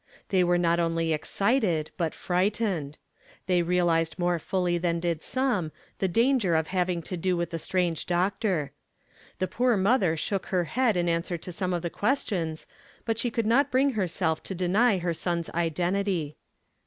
They were not only excited but frightened. They realized more fully than did some, the danger of having to do Avith the strange doctor. The poor mother shook her head in answer to some of the questions, but she could not bring herself to deny her son's identity.